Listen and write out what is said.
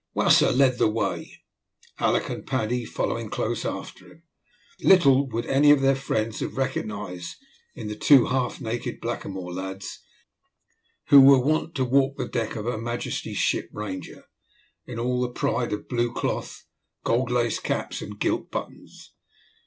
Wasser led the way, Alick and Paddy following close after him. Little would any of their friends have recognised in the two half naked blackamoor lads the neat midshipmen who were wont to walk the deck of Her Majesty's ship Ranger, in all the pride of blue cloth, gold laced caps, and gilt buttons.